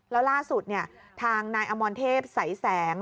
แล้วล่าสุดทางนายอมรเทพสายแสง